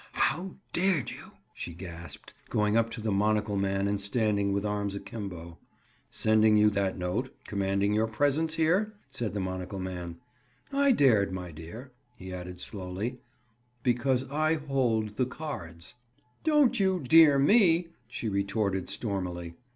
"How dared you?" she gasped, going up to the monocle man and standing with arms akimbo. "Send you that note, commanding your presence here?" said the monocle man. "I dared, my dear," he added slowly, "because I hold the cards." "Don't you 'dear' me," she retorted stormily.